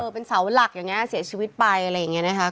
เป็นเสาหลักอย่างนี้เสียชีวิตไปอะไรอย่างนี้นะคะ